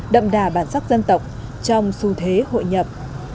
đậm đà bản sắc dân tộc trong xu thế hội nhập